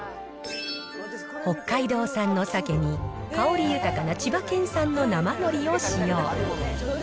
北海道産のさけに、香り豊かな千葉県産の生のりを使用。